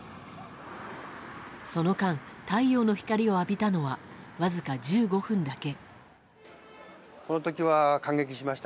その間、太陽の光を浴びたのはわずか１５分だけ。